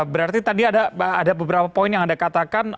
berarti tadi ada beberapa poin yang anda katakan